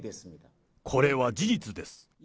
これは事実です。